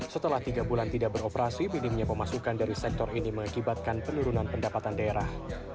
setelah tiga bulan tidak beroperasi minimnya pemasukan dari sektor ini mengakibatkan penurunan pendapatan daerah